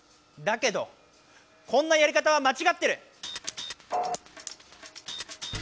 だけどこんなやりかたはまちがってる！